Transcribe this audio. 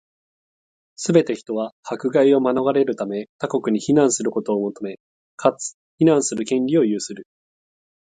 すべて人は、迫害を免れるため、他国に避難することを求め、かつ、避難する権利を有する。